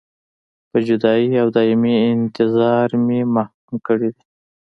په جدایۍ او دایمي انتظار مې محکومه کړې وې.